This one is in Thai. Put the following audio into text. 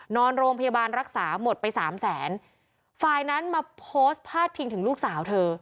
นอนโรงพยาบาลรักษาหมดไปสามแสนฝ่ายนั้นมาโพสต์พาดพิงถึงลูกสาวเธอ